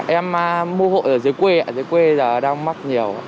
em mua hộ ở dưới quê dưới quê đang mắc nhiều